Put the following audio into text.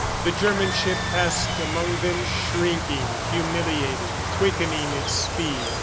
The German ship passed among them, shrinking, humiliated, quickening its speed.